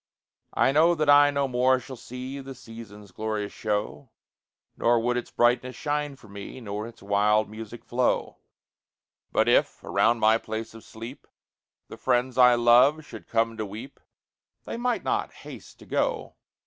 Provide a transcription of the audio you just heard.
I know that I no more should see The season's glorious show, Nor would its brightness shine for me, Nor its wild music flow; But if, around my place of sleep. The friends I love should come to weep, They might not haste to go.